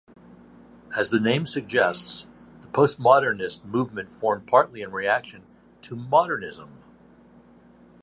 As the name suggests, the postmodernist movement formed partly in reaction to modernism.